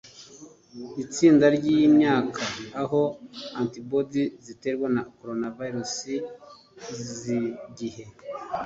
itsinda ryimyaka aho antibodies ziterwa na coronavirus zigihe.